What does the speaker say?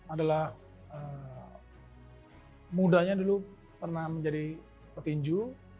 adalah mudanya dulu pernah menjadi petinju